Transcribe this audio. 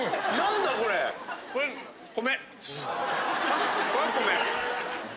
これ米！